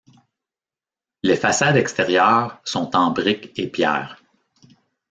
Les façades extérieures sont en briques et pierres.